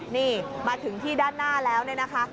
นี่มาถึงที่ด้านหน้าแล้วเนี่ยนะคะ